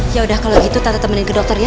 ya udah kalau gitu tata temenin ke dokter ya